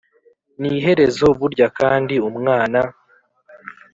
niherezo burya kandi umwana